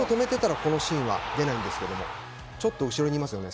足を止めていたらこのシーンは出ないんですがちょっと後ろにいますよね